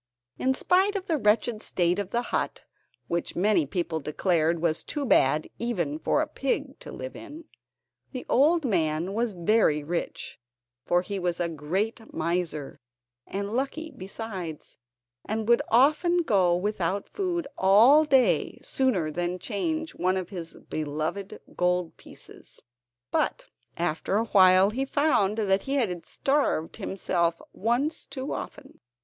In spite of the wretched state of the hut, which many people declared was too bad even for a pig to live in, the old man was very rich, for he was a great miser, and lucky besides, and would often go without food all day sooner than change one of his beloved gold pieces. But after a while he found that he had starved himself once too often.